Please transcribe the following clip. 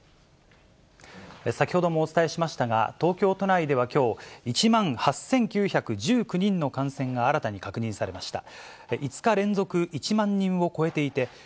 先ほどもお伝えしましたが、東京都内ではきょう、１万８９１９人の感染が新たに確認されました。